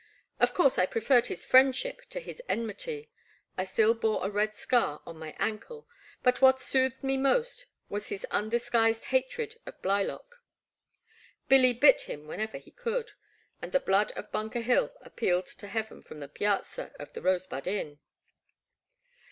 Of course I preferred his friendship to his enmity — I still bore a red scar on my ankle — ^but what soothed me most was his undisguised hatred of Blylock. Billy bit him whenever he could, and the blood of Bunker Hill appealed to Heaven from the piazza of the Rosebud Inn